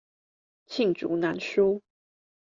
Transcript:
罄竹難書